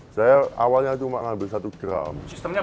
saya awalnya cuma ambil satu gram